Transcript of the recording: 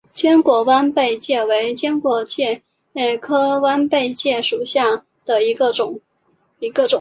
蓝果弯贝介为弯贝介科弯贝介属下的一个种。